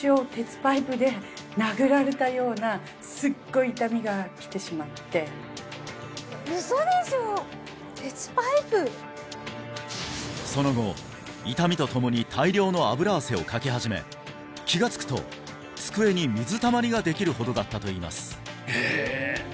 いきなりが来てしまってその後痛みとともに大量の脂汗をかき始め気がつくと机に水たまりができるほどだったといいます